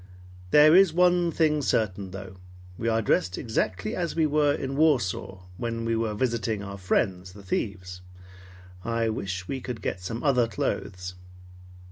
There is one thing certain though. We are dressed exactly as we were in Warsaw, when we were visiting our friends, the thieves. I wish we could get some other clothes."